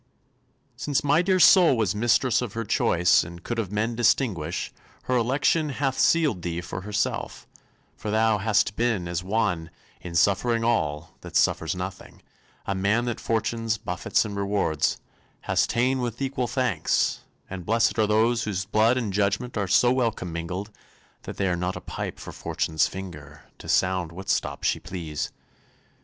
Since my dear soul was mistress of her choice And could of men distinguish, her election Hath sealed thee for herself; for thou hast been As one, in suffering all, that suffers nothing, A man that fortune's buffets and rewards Hast ta'en with equal thanks; and bless'd are those Whose blood and judgment are so well commingled That they are not a pipe for fortune's finger To sound what stop she please.